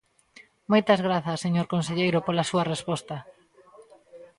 Moitas grazas, señor conselleiro, pola súa resposta.